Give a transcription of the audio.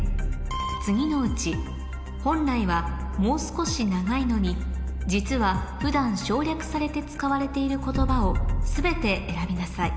次のうち本来はもう少し長いのに実は普段省略されて使われている言葉を全て選びなさい